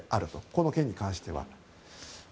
この件に関しては。